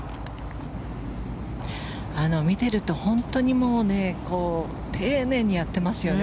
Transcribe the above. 見ていると本当に丁寧にやっていますよね。